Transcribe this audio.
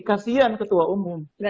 kasian ketua umum